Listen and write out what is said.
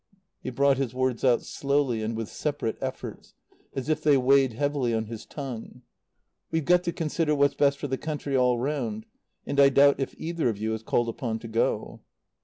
He brought his words out slowly and with separate efforts, as if they weighed heavily on his tongue. "We've got to consider what's best for the country all round, and I doubt if either of you is called upon to go."